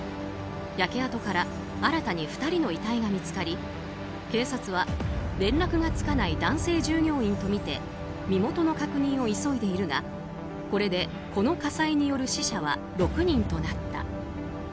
焼け跡から新たに２人の遺体が見つかり警察は連絡がつかない男性従業員とみて身元の確認を急いでいるがこれで、この火災による死者は６人となった。